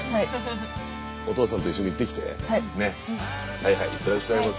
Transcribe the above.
はいはいいってらっしゃいませ。